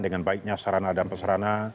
dengan baiknya serana dan peserana